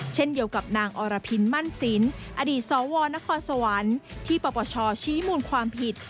เช่นเดียวกับนางอรพินมั่นสินอดีตสวนสที่ประประชอชี้มูลความผิด